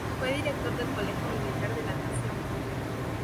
Fue Director del Colegio Militar de la Nación.